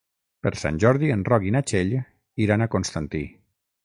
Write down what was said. Per Sant Jordi en Roc i na Txell iran a Constantí.